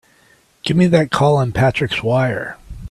Give me that call on Patrick's wire!